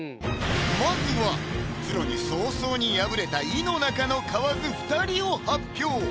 まずはプロに早々に敗れた井の中の蛙２人を発表